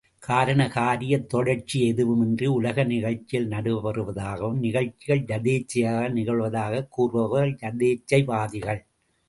காரண காரியத் தொடர்ச்சியெதுவும் இன்றி உலக நிகழ்ச்சிகள் நடைபெறுவதாகவும், நிகழ்ச்சிகள் யதேச்சையாக நிகழ்வதாகக் கூறுபவர்கள் யதேச்சை வாதிகள்.